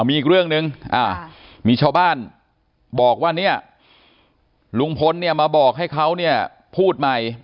มีอีกเรื่องนึงมีชาวบ้านบอกว่านี้ลุงพลมาบอกให้เขาพูดใหม่